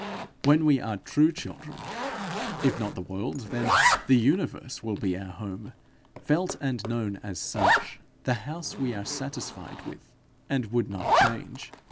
When we are true children, if not the world, then the universe will be our home, felt and known as such, the house we are satisfied with, and would not change.